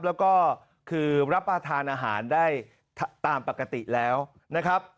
แล้วก็คือรับประทานอาหารได้ตามปกติแล้วนะครับ